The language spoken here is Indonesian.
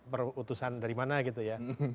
berutusan dari mana gitu ya